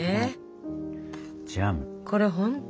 これ本当